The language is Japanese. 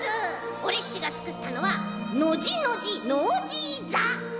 オレっちがつくったのはノジノジノージーざ！